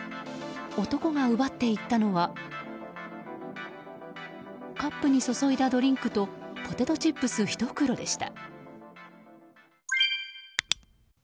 男が奪っていったのはカップに注いだドリンクとポテトチップス１袋でした。